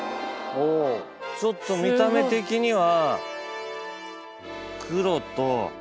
ちょっと見た目的には。